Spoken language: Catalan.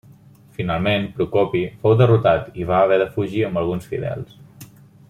Finalment, Procopi fou derrotat i va haver de fugir amb alguns fidels.